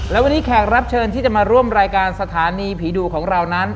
และวันนี้แขกรับเชิญที่จะมาร่วมรายการสถานีผีดุของเรานั้น